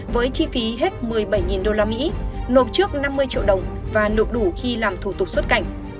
với chi phí hết một mươi bảy usd nộp trước năm mươi triệu đồng và nộp đủ khi làm thủ tục xuất cảnh